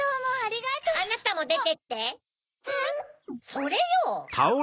それよ！